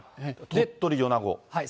鳥取・米子。